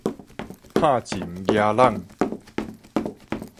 冇蟳夯籠